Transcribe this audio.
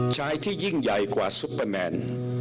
ชายที่ยิ่งใหญ่กว่าซุปเปอร์แมน